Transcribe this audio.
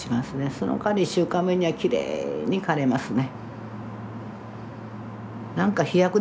そのかわり１週間目にはきれいに枯れますね。